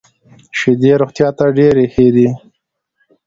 شیدې روغتیا ته ډېري ښه دي .